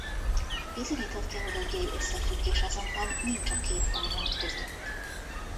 Bizonyított geológiai összefüggés azonban nincs a két barlang között.